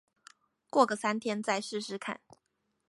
過個三天再試試看